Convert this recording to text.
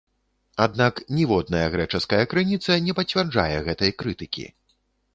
Аднак ніводная грэчаская крыніца не пацвярджае гэтай крытыкі.